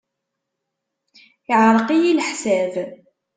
Yeɛreq-iyi leḥsab.